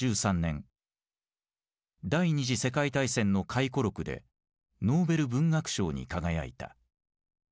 第二次世界大戦の回顧録でノーベル文学賞に輝いた。